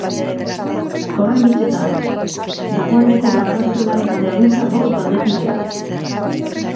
Horren hitzetan, dagoeneko grabazio-lanetan dabiltza bost taldekideak.